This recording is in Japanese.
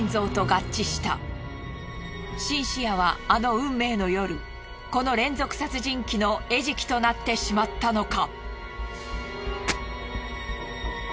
シンシアはあの運命の夜この連続殺人鬼の餌食となってしまったのか？